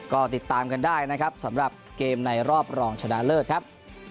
ก็ติดตามกันได้นะครับสำหรับเกมในรอบรองชนะเลิศครับ